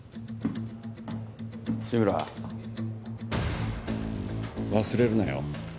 志村忘れるなよ